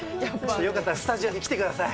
よかったらスタジオに来てください。